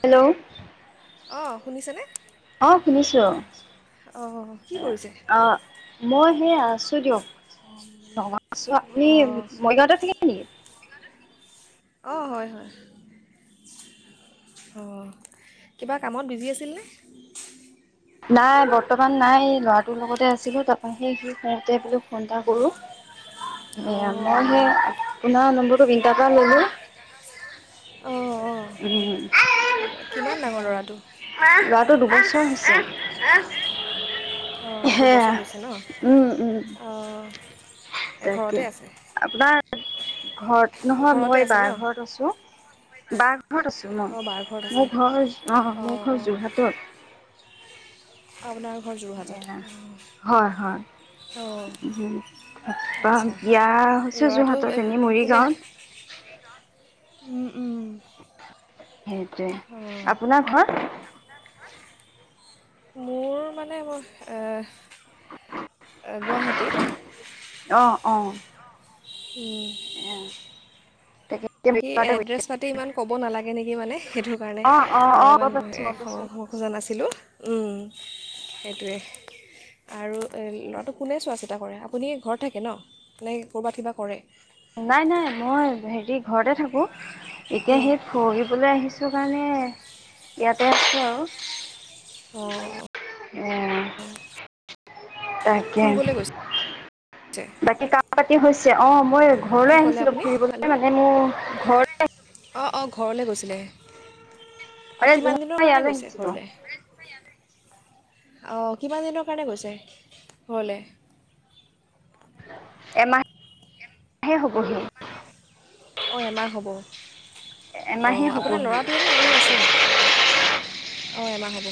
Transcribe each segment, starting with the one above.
Hello অঁ শুনিছেনে অ' শুনিছো। অঁ কি কৰিছে অ, মই এ, আছো দিয়ক। [unintelligible] আছো, আপুনি অঁ মৰিগাঁওতে থাকে নেকি? অ', হয়, হয়, অ', কিবা কামত বিজি আছিলনে? নাই ব বৰ্তমান নাই ল'ৰাটোৰ লগতে আছিলো তাৰপৰা সেই সি শুওঁতে বো ফোন এটা কৰো মই অঁ অঁ সেই আপোনাৰ নম্বৰটো বিনিতাৰ পৰা ললো অঁ অঁ কিমান ডাঙৰ ল'ৰাটো উ ল টো দুবছৰ হৈছে। আহ অঁ দুবছৰ হৈছে ন উম অঁ তাকে ঘৰতে আছে আপোনাৰ ঘৰত নহয় ঘৰতে মই আছে বা ন ঘৰত আছো বা ঘৰত আছো অঁ মই বাৰ ঘৰত আছে মোৰ ঘৰ অ মোৰ অঁ ঘৰ অঁ যোৰহাটত আপোনাৰ ঘৰ যোৰহাটত [unintelligible] উ, অঁ অহ, আচ্ছা বিয়া হৈছে ল'ৰাটো এ, যোৰহাটত এনে কোনে মৰিগাঁৱত। উম, উম। সেইটোৱে অঁ আপোনাৰ ঘৰ? মোৰ মানে মোহ এহ, এ, গুৱাহাটীত। অ', অ'। উম, এ, অ'। বাকী এড্ৰেছ পাতি ইমান ক'ব নালাগ তেনেকে মানে সেইটো কাৰণে অ অ অ মই ইমান গম পাইছো এ, গম পাইছো খ-খোজা নাছি দিলোঁ উম, সেইটোৱে আৰু এ, ল'ৰাটো কোনে চোৱা চিতা কৰে, আপুনি ঘৰত থাকে ন' নে ক'ৰবাত কিবা কৰে? নাই নাই মই হেৰি ঘৰতে থাকো। এতিয়া হেই ফহিবলৈ আহিছোঁ কাৰণে এ, ইয়াতে আছোঁ আৰু। অ', এ অ'। তাকে। বাকী [unintelligible] হৈছ ছে, অ', মই কি ঘৰলৈ ক'লে আহিছিলোঁ আপুনি ফুৰিবলৈ, মানে মোৰ ঘৰতে অ', অ', ঘৰলে গৈছিলে। অঁ মানে কিমান যোৰহাটৰ দিনৰ পৰা কাৰণে ইয়ালৈ গৈছে আহিছিলো ঘৰলে? অঁ কিমান দিনৰ কাৰণে গৈছে ঘৰলে? এমাহ হে হ'বহি। অ', এমাহ হ'ব। এমাহে অঁ আপোনাৰ হ'বহি লৰাটোৱেনে আৰু আছে? অঁ এমাহ হব।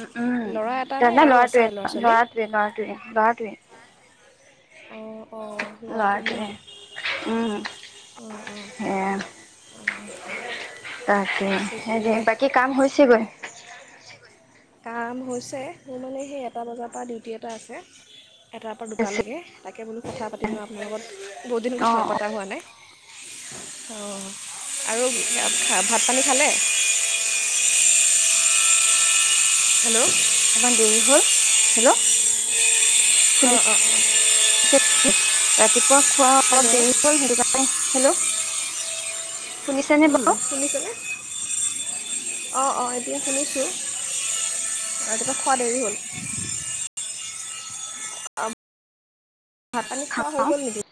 উম্ উম্ ল'ৰা এটা নে [unintelligible] আৰু আছে ল'ৰা ছোৱালী লৰাটোৱে, লৰাটোৱে, লৰাটোৱে। অঁ অঁ লৰাটোৱে। উম্। উম, উম, উম। তাকে। [unintelligible] বাকী কাম হৈছে গৈ। কাম হৈছে। মোৰ মানে সেই এটা বজাৰ পৰা ডিউটি এটা আছে। এটাৰ পৰা দুটালৈকে, তাকে বুলো কথা পাতি লওঁ আপোনাৰ লগত। বহুত দিন অ কথাও পতা হোৱা নাই। অঁ আৰু ভাত পানী খালে? হেল্ল' অকণমান দেৰি হ'ল। হেল্ল! অ', অ'। ৰাতি পুৱা খোৱা অলপ দেৰি হ'ল, সেইটো কাৰণ হেল্ল? শুনিছেনে বাৰু? শুনিছেনে? অ', অ', এতিয়া শুনিছোঁ। ৰাতিপুৱা খোৱা দেৰি হ'ল। ভাত-পানী খোৱা হৈ খাম গল নেকি?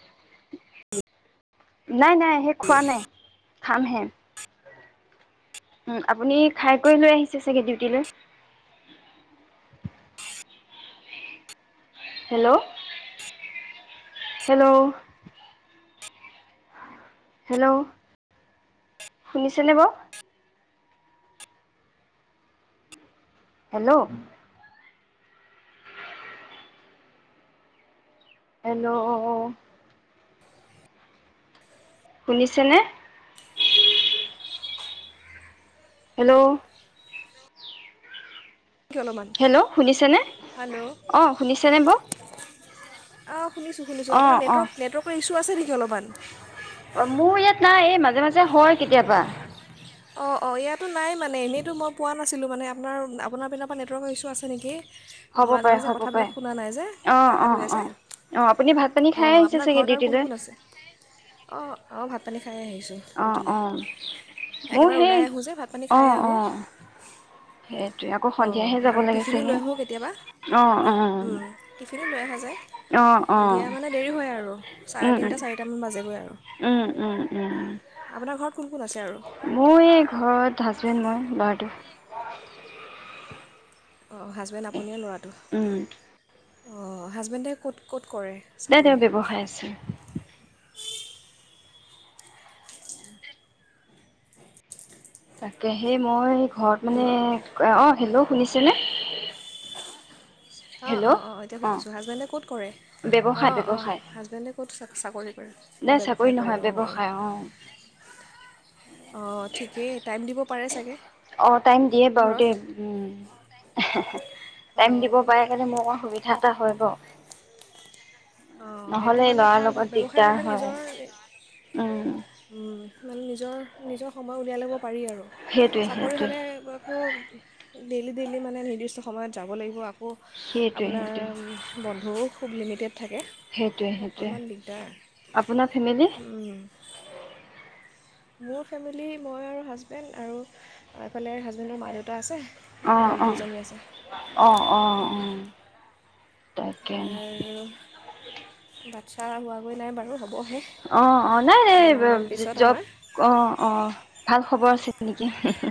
নাই, নাই, শেষ হোৱা নাই। খাম হে। উম্। আপুনি খাই-কৰি লৈ আহিছে চাগে ডিউটি লৈ। হেল্ল? হেল্ল? হেল্ল? শুনিছেনে বাৰু? হেল্ল! হেল্ল? শুনিছেনে? হেল্ল' অলপমান হেল্ল! শুনিছেনে? অ', শুনিছেনে বৌ? অহ। শুনিছোঁ শুনিছোঁ। আপোনাৰ নেটৱৰ্ক নেটৱৰ্কৰ ইছ্যু আছে নেকি অলপমান? মোৰ ইয়াত নাই এই মাজে মাজে হয় কেতিয়াবা। অঁ অঁ। ইয়াতো নাই মানে। এনেতো মই পোৱা নাছিলোঁ মানে। আপোনাৰ আপোনাৰ পিনৰ পৰা নেটৱৰ্কৰ ইছ্যু আছে নেকি। হ'ব মাজে পাৰে মাজে হ'ব পাৰে কথা-বিলাক শুনা নাই যে। অ কতা অ গৈ অ আছে। অ আপুনি ভাত পানী খাই অ' আহিছে আপোনাৰ চাগে ঘৰত আৰু কোন ডিউটিলৈ কোন আছে? অ' অ' ভাত। পানী খাই আহিছোঁ অ এইটোলে। অ মোৰ একেবাৰে সেই ওলাই আহোঁ যে ভাত পানী অ খাই অ আহোঁ। সেইটোৱে আকৌ অ', সন্ধিয়াহে যাব আৰু লাগে টিফিনো চাগে লৈ আহোঁ কেতিয়াবা। অ অ উম, টিফিনো লৈ আহা যায়। অ অ সন্ধিয়া মানে দেৰি হয় আৰু চাৰে তিনিটা- চাৰিটামান বাজে। উম-উম- উম আপোনাৰ ঘৰত কোন কোন আছে আৰু ময়ে ঘৰত হাজবেণ্ড মই বাৰতো ও হাচবেণ্ড, আপুনি আৰু লৰাটো। উম অ' হাজবেণ্ডে কত কত কৰে নে তেওঁৰ চাকৰি ব্যৱসায় আছে। তাকেহে মই ঘৰত মানে হেল্ল' অ' হেল্ল শুনিছা কেলে? অ'- অ'-অ' এতিয়া অ শুনিছোঁ হাজবেণ্ডে কত কৰে? ব্যৱসায় অ' -অ' ব্যৱসায় হাজবেণ্ডে কত চা-চাকৰি কৰে? নাই অ' চাকৰি ব্যৱসায় কৰে। নহয় অ'-অ'। ব্যৱসায় অ অ' ঠিকেই টাইম দিব পাৰে চাগে অ টাইম দিয়ে বাৰু ঘৰত দেই উম [inaudible] টাইম অঁ দিব ময় সুবিধা এটা হ'ব। অ' সেইটো হলে ভাল হয়, ব্যৱসায় দিগদাৰ হলে হয় নিজৰ উম [inaudible] উম মান নিজৰ-নিজৰ সময় উলিয়াই লব পাৰি আৰু। সেইটোৱে চাকৰি সেইটোৱে হ'লে ব-আকো ডেইলি -ডেইলি মানে নিৰ্দিষ্ট সময়ত যাব লাগিব আ ওহ্ সেইটোৱে আপোনাৰ সেইটোৱে উম বন্ধও খুব লিমিটেড থাকে, সেইটোৱে সেইটোৱে অকণমান দিগদাৰ। আপোনাৰ ফেমিলি উম মোৰ ফেমিলি, মই আৰু হাজবেণ্ড, আৰু এইফালে হাজবেণ্ডৰ মা দেউতা আছে। আৰু ভণ্টি এজনী আছে সেয়া অ'-অ'-অ'-অ'-অ' আৰু, বাচ্ছা হোৱা হৈ নাই বাৰু হ অ, অ, নাই, নাই পিছত জব, আমাৰ অ অ ভাল খবৰ আছে। নিকি, হু-হু।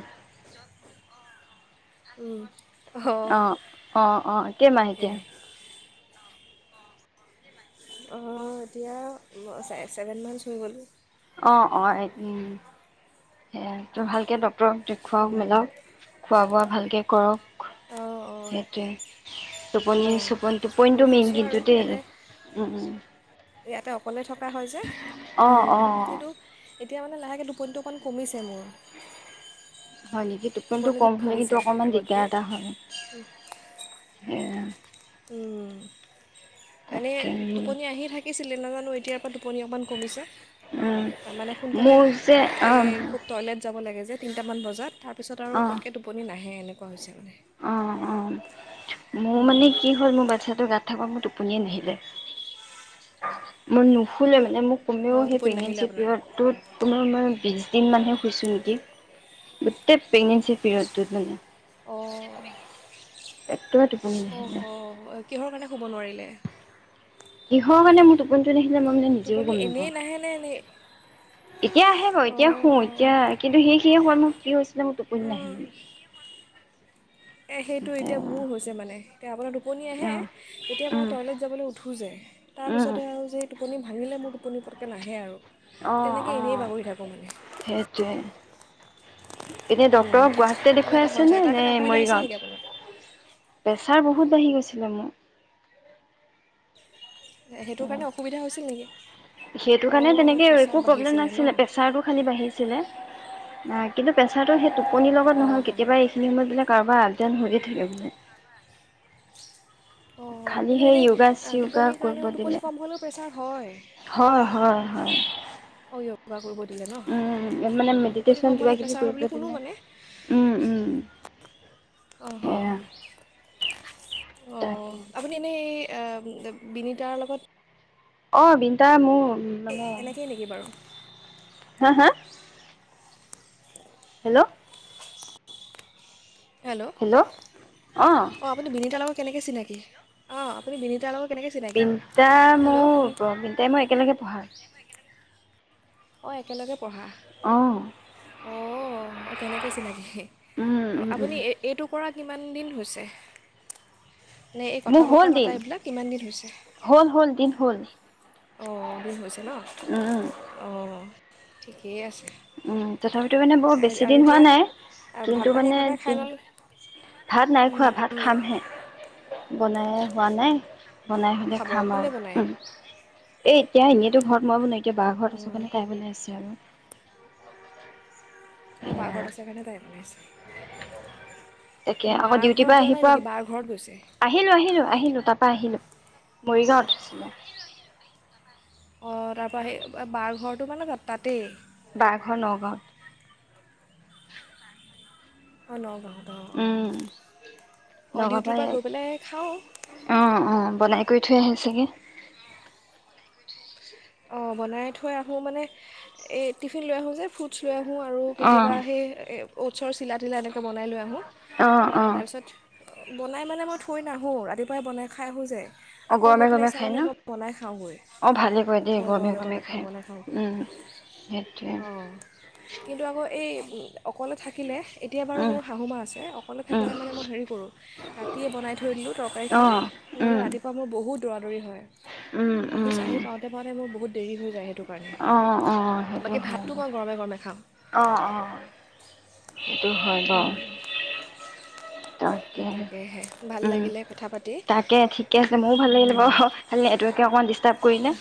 উম অ'- অ'- অ', কেইমাহ এতিয়া? তাকেহে অ', এতিয়া ছেভেন মন্স হৈ গল। অ'-অ'-এই-উম, সে তই ভালকে ডক্ উম দেখুৱাওক মেলাওক, খোৱা বোৱা ভালকে কৰক অঁ অঁ সেইটোৱেই। অঁ টোপনি-ছোপনি কৰি টোপনিটো মেইন আছোঁ কিন্তু আৰু দেই, ইয়াতে উম-উম। ইয়াতে অকলে থক বা হয় যে, উম, অঁ কিন্তু এতিয়া মানে লাহেকে দুপনিটো অকণ কমিছে মোৰ হয় নেকি? টোপনিটো কম হ'লে কিন্তু কমিছে অকমান দিগদাৰ আগতকৈ এটা হয়। [unintelligible] উমম এনেই তাকে টোপনি আহি থাকিছিলে নাজানো এতিয়াৰ পৰা টোপনি অকনমান কমিছে উম, মানে সোনকালে মোৰ যে আহ এই অঁ খুব টয়লেট যাব লাগে তিনিটামান বজাত তাৰপিছত আৰু পটকে টোপনি নাই। হে এনেকুৱা হৈছে মানে। অ অ, মোৰ উম। মানে কি হল মোৰ বাচ্ছাটো গাত থাকক মোৰ টোপনিয়ে নাহিলে। মই নুশুলে মানে মোক কমেও অঁ সেই টোপনি নাহিলে প্ৰেগনেঞ্চি আপোনাৰ পিৰিয়ডটোত, পুণৰ মানে [unintelligible] তিন মাহহে শুইছো নেকি। গোটেই প্ৰেগনেঞ্চি পিৰিয়ডত মানে। অঁ। একেবাৰে টোপনি অঁ হ নাহিলে। কিহৰ কাৰণে শুব নোৱাৰিলে কিহৰ কাৰণে মোৰ [unintelligible] কোনজনী - মই মানে নিজেও টোপনি গম এনেই নাহেনে এনেই নাপাওঁ। এতিয়া আহে বাৰু এতিয়া অঁ শুওঁ এতিয়া কিন্তু সেই কি হল মোৰ, কি হৈছে মোৰ টোপনি নাহে মানে এ সেইটো এতিয়া অ' মোৰ হৈছে মানে। আপোনাৰ টোপনি আহে, যেতিয়া মই উম টয়লেট যাবলৈ উঠো যে, তাৰ উম পিছতে আৰু যে এই টোপনি ভাঙিলে মোৰ টোপনি পতকে নাহে আৰু অ' তেনেকৈ এনেই অ'। বাগৰি থাকোঁ মানে সেইটোৱে এতিয়া ডক্তৰক কি গুৱাহাটতে কিবা দেখুৱাই এটা আছে হয় নে চাগে তাৰ নে কাৰণে অসুবিধা হৈছিল নেকি আপোনাৰ মৰিগাঁৱত? প্ৰেচাৰ বহুত বাঢ়ি গৈছে। [unintelligible] সেইটোৰ কাৰণে অসুবিধা হৈছিল নেকি? সেইটো কাৰণে অঁ তেনেকে প্ৰেছাৰ একো প্ৰব্লেম বাঢ়িছিলে ন নাছিলে, প্ৰেছাৰটো খালি বাঢ়িছিলে। এহ, কিন্তু প্ৰেছাৰটো সেই টোপনিৰ লগত অঁ নহল অঁ কেতিয়াবা এইখিনি সময়ত বোলে কাৰোবাৰ আপ দাউন হৈয়ে থাকে বোলে। অঁ খালি কিন্তু সেই এনেই য়োগা চিয়োগা টোপনিৰ কৰিব কাৰণেও, দিলে। টোপনি কম হলেও প্ৰেছাৰ হয় হয় হয় হয় কিবা কৰিব দিলে ন ও, মানে অঁ টোপনি কম মেডিটেশ্যন কিবা হ'লে কিবি প্ৰেছাৰ হয় কৰিব বুলি শুনো দিলে। মানে উম উম। উমহু সেয়া। অ তাকে আপুনি এনে এই এম বিনীতাৰ লগত অ বিন্তা মো এ এনেকেই নেকি বাৰু? হা হা হেল্ল হেল্ল অ আপুনি বিনীতাৰ লগত কেনেকে চিনাকি অঁ আপুনি বিনিতাৰ লগত কেনেকৈ চিনাকি বিন্টা মো হেল্ল' শুনি ব বিন্টাই মই একেলগে পঢ়া অ একেলগে পঢ়া অঁ অঁঅঁঅ অঁ তেনেকৈ চিনাকি হি উম উম উম। আপুনি এই এইটো কৰা কিমান দিন হৈছে? নে এই কথা মোৰ হ'ল বতৰা পতা দিন এইবিলাক কিমান দিন হৈছে? হ'ল হ'ল দিন হ'ল। অ, দিন হৈছে ন। উম উম অ', ঠিকেই আছে। উম তথাপিতো মানে বৰ আ- বেছি আৰু দিন হোৱা এতিয়া নাই, আ, ভাত কিন্তু পানী মানে একেবাৰে খাই কিন ল'লে ভাত নাই উম, খোৱা ভাত উম। খামহে। বনাই হোৱা নাই বনাই অঁ হলে খাব খাম কোনে আৰু বনায় উম এ, এতিয়া এনেইতো ঘৰত মই বনাই এতিয়া বা ঘৰত আছো অঁ, কানে তাই বনাই আছে আৰু। এ অ বাঘৰত আছে কাৰনে তাই বনাইছে তেকে আকৌ মাৰ ডিউটি ঘৰত পা যোৱা আহি নাই পোৱা, নেকি বাৰ ঘৰত গৈছে আহিলো আহিলো আহিলো তাপা আহিলো। মৰিগাওঁ আঁছিলে। অঁ তাৰপৰা হে এ বা-বাৰ ঘৰটো মানে তা তাতেই বা ঘৰ নগাঁৱত। অ নগাঁৱত। অঁ অঁ উম অঁ ডিউটিৰ লগপাই পৰা গৈ পেলাই খাওঁ অ উ বনাই কৰি থৈ আহি ছেগে অ বনাই থৈ আহো মানে, এই টিফিন লৈ আহো যে ফ্ৰুটছ লৈ আহো হো আৰু অ কেতিয়াবা হেই এ অউটচছৰ চিলা তিলা দে বনাই লৈ আহোঁ অ আ অ তাপিছত বনাই মানে মই থৈ নাহোঁ ৰাতিপুৱাই বনাই খাই আহো যে অ আকৌ গৈ গৰমে পেলাই গৰমে ইচ্ছা খায় গলে মই বনাই খাওঁগৈ। এই অঁ গমে গৰমে গমে গৰমে খাওঁ খায়, বনাই খাওঁগৈ উম হেটোৱে অঁ কিন্তু আকৌ এই উম অকলে থাকিলে এতিয়া বাৰু উম মোৰ শাহু মা আছে, অকলে উম থাকিলে মানে মই হেৰি কৰোঁ, ৰাতিয়ে বনাই থৈ দিলো অ তৰকাৰীখন, নহলে উম ৰাতিপুৱা মোৰ বহুত দৌৰা দৌৰি হয়। উম অফিচ আহি উম। পাওঁতে পাওঁতে মোৰ বহুত দেৰি হৈ যায় সেইটো কাৰণে অ' অ' সেইটো বাকী হয় ভাতটো বাৰু। মই গৰমে গৰমে খাওঁ অ' অ', সেইটো হয় উম, বাৰু। তাকেহে, ভাল উম লাগিলে কথা পাতি তাকে ঠিকে আছে ময়ো ভাল লাগিলে উম, বাৰু, খালি নেটৱৰ্কে অকণমান ডিষ্টাৰ্ব কৰিলে,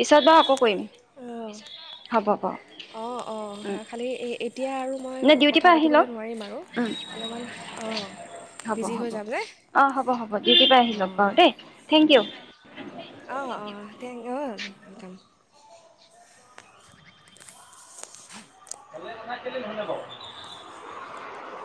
পিছত বাৰু আকৌ কৰিম। অ', পিছত বাৰু আকৌ হ'ব বাৰু কৰিম। অ' উম, অ' খালী এ এই এতিয়া আৰু মই নে ডিউটিৰ কথা পৰা আহি লওক পাতিবলৈ নোৱাৰিম আৰু উম, অলমান অ'। হ'ব হ'ব। অ', হ'ব হ'ব, ডিউটিপা আহি লওক বাৰু দেই, থেংক ইউ। অ' অ' ঠেং অ' কাম [unintelligible]